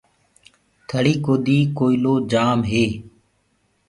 ٿݪيٚ ڪودي ڪوئيٚلو جآم هي۔